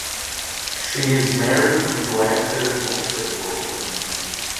She is married to actor Patrick Wilson.